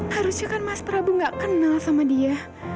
harusnya kan mas prabu gak kenal sama dia